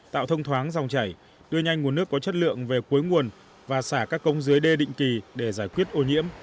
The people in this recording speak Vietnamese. tạo thông thoáng dòng chảy đưa nhanh nguồn nước có chất lượng về cuối nguồn và xả các công dưới đê định kỳ để giải quyết ô nhiễm